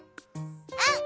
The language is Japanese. うん！